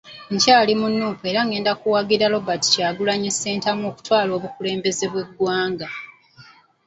Nkyali mu Nuupu era nga ngenda kuwagira Robert Kyagulanyi Ssentamu okutwala obukulembeze bw'eggwanga.